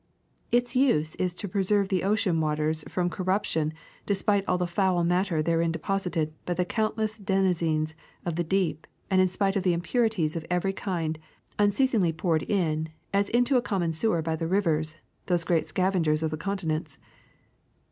''Its use is to preserve the ocean waters from cor ruption despite all the foul matter therein deposited by the countless denizens of the deep and in spite of the impurities of every kind unceasingly poured in as into a common sewer by the rivers, those great scavangers of the continents.